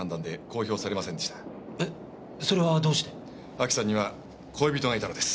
亜紀さんには恋人がいたのです。